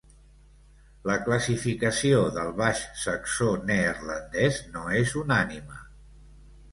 La classificació del baix saxó neerlandès no és unànime.